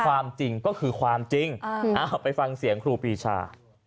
ความจริงก็คือความจริงไปฟังเสียงครูปีชา